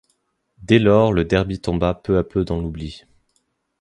Dès lors le derby tomba peu à peu dans l'oubli.